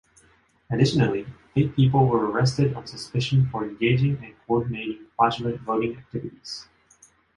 Additionally, eight people were arrested on suspicion for engaging and coordinating fraudulent voting activities.